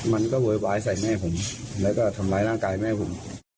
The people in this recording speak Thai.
โวยวายใส่แม่ผมแล้วก็ทำร้ายร่างกายแม่ผม